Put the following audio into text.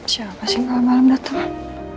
siapa sih malam malam datang